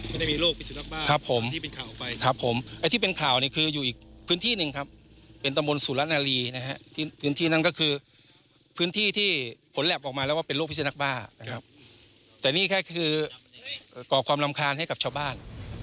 ไม่ได้มีโรคพิสุนักบ้าครับผมที่เป็นข่าวออกไปครับผมไอ้ที่เป็นข่าวเนี่ยคืออยู่อีกพื้นที่หนึ่งครับเป็นตำบลสุรนารีนะฮะที่พื้นที่นั่นก็คือพื้นที่ที่ผลแล็บออกมาแล้วว่าเป็นโรคพิสุนักบ้านะครับแต่นี่แค่คือก่อความรำคาญให้กับชาวบ้าน